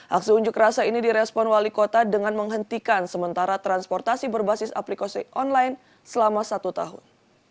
aksi unjuk rasa ini direspon wali kota dengan menghentikan sementara transportasi berbasis aplikasi online selama satu tahun